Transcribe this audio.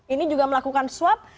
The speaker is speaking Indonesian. ini juga melakukan swab